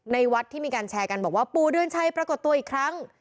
วัดที่มีการแชร์กันบอกว่าปู่เดือนชัยปรากฏตัวอีกครั้ง